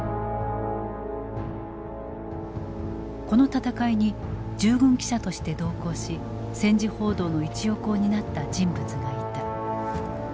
この戦いに従軍記者として同行し戦時報道の一翼を担った人物がいた。